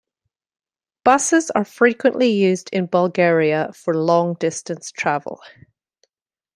Buses are frequently used in Bulgaria for long-distance travel.